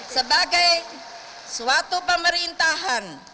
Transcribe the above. sebagai suatu pemerintahan